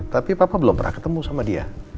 tapi papa belum pernah ketemu sama dia